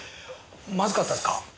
まずかったですか？